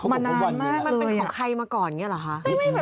มานานมากมันเป็นของใครมาก่อนอย่างนี้เหรอคะ